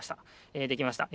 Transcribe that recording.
えできました。